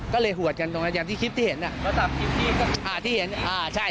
ก็เลยหวดกันตรงนั้นอย่างที่คลิปที่เห็นอ่ะอ่าที่เห็นอ่าใช่